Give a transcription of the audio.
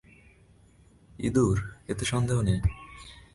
ইঁদুর, এতে সন্দেহ নেই।